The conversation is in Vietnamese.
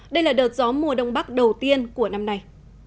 đây là đợt gió mùa đông bắc đầu tiên của năm nay